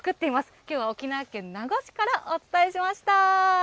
きょうは沖縄県名護市からお伝えしました。